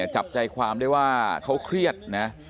จับใจความได้ว่าเขาเครียดนะ